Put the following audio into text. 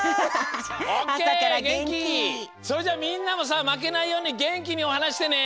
それじゃあみんなもさまけないようにげんきにおはなししてね！